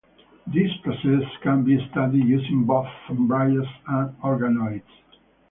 This process can be studied using both embryos and organoids.